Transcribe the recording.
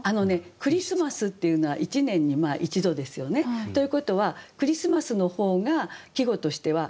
クリスマスっていうのは一年に１度ですよね。ということは「クリスマス」の方が季語としてはよく働いてる。